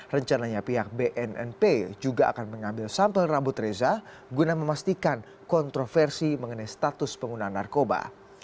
rencananya pihak bnnp juga akan mengambil sampel rambut reza guna memastikan kontroversi mengenai status pengguna narkoba